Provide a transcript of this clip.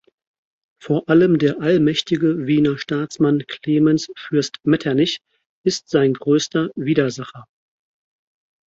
Vor allem der allmächtige Wiener Staatsmann Klemens Fürst Metternich ist sein größter Widersacher.